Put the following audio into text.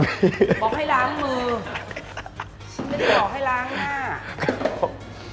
บอกให้ล้างมือบอกให้ล้างหน้า